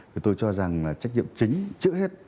thì tôi cho rằng là trách nhiệm chính trước hết